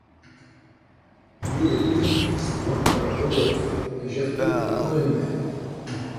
Il est le deuxième fils de l'empereur Rodolphe et Gertrude de Hohenberg.